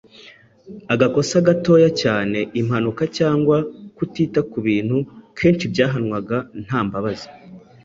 Agakosa gatoya cyane, impanuka cyangwa kutita ku bintu kenshi byahanwaga nta mbabazi.